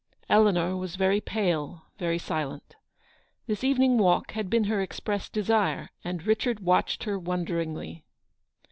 Eleanor was very pale, very silent. This evening walk had been her express desire, and Richard watched her wonderingly.